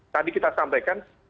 tadi kita sampaikan